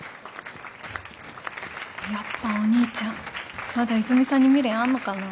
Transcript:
やっぱお兄ちゃんまだ泉さんに未練あんのかな。